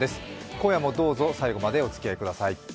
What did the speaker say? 今夜もどうぞ最後までおつきあいください。